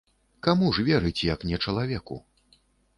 Каму ж верыць, як не чалавеку?